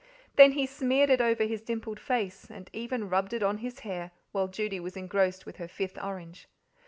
Then he smeared it over his dimpled face, and even rubbed it on his hair, while Judy was engrossed with her fifth orange.